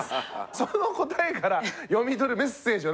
その答えから読み取るメッセージはなんですか？